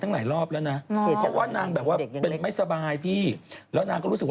เอ๊ะใครใส่ช่วงสูงอยู่หลังวันที่